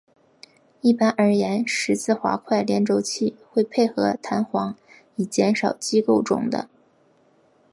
一般而言十字滑块联轴器会配合弹簧以减少机构中的。